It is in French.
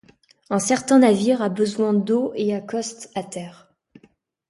Un certain navire a besoin d'eau et accoste à terre.